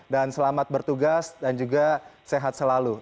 dan selamat bertugas dan juga sehat selalu